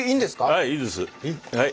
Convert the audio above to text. はいいいです。